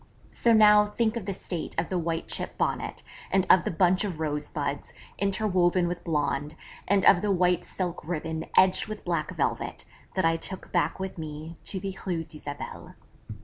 So now, think of the state of the white chip Bonnet, and of the bunch of rosebuds, interwoven with blonde, and of the white silk ribbon edged with black velvet, that I took back with me to the Rue d'Isabelle.